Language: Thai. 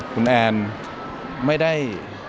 คุณแอนไม่ได้